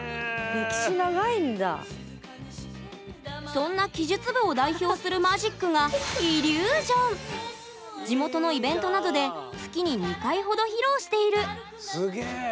そんな奇術部を代表するマジックが地元のイベントなどで月に２回ほど披露しているすげえ！